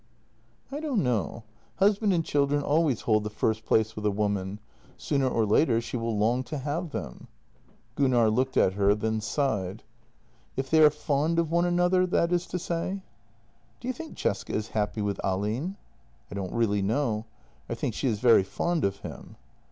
" I don't know. Husband and children always hold the first place with a woman; sooner or later she will long to have them." Gunnar looked at her — then sighed :" If they are fond of one another, that is to say." "Do you think Cesca is happy with Ahlin?" " I don't really know. I think she is very fond of him.